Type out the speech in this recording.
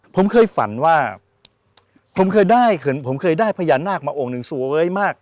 ผมเคยฝันว่าผมเคยได้ผมเคยได้พญานาคมาองค์หนึ่งสวยมาก